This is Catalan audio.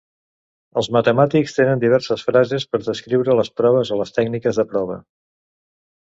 Els matemàtics tenen diverses frases per descriure les proves o les tècniques de prova.